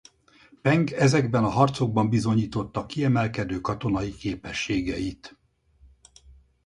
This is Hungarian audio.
Peng ezekben a harcokban bizonyította kiemelkedő katonai képességeit.